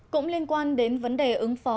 cũng liên quan đến vấn đề ứng phó